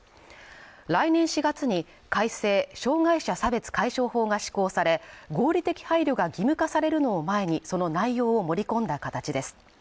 来年４月に改正障害者差別解消法が施行され、合理的配慮が義務化されるのを前にその内容を盛り込んだ形です。